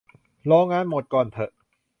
รองานหมดก่อนเถอะ